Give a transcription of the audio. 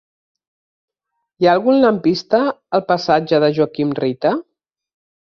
Hi ha algun lampista al passatge de Joaquim Rita?